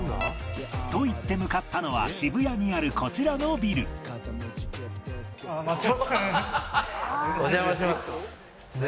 と言って向かったのは渋谷にあるこちらのビルお邪魔します。